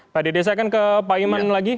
pak dede saya akan ke pak iman lagi